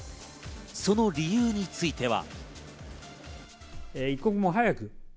その理由については。